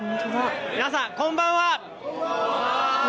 皆さん、こんばんは。